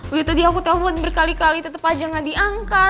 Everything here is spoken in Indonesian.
oh ya tadi aku telfon berkali kali tetep aja gak diangkat